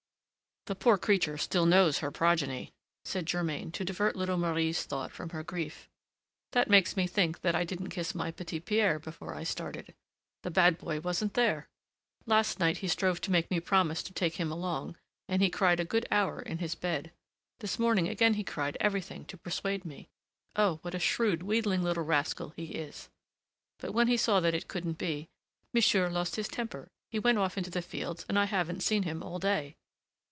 "The poor creature still knows her progeny," said Germain to divert little Marie's thoughts from her grief. "That makes me think that I didn't kiss my Petit Pierre before I started. The bad boy wasn't there. Last night, he strove to make me promise to take him along, and he cried a good hour in his bed. This morning again he tried everything to persuade me. Oh! what a shrewd, wheedling little rascal he is! but when he saw that it couldn't be, monsieur lost his temper: he went off into the fields, and I haven't seen him all day."